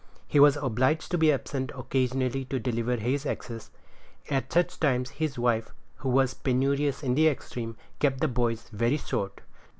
He was obliged to be absent occasionally to deliver his axes. At such times his wife, who was penurious in the extreme, kept the boys very short.